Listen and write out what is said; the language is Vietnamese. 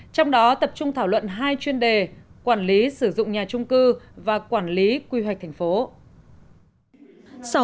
trong đó tập trung thảo luận hai chuyên đề quản lý sử dụng nhà trung cư và quản lý quy hoạch thành phố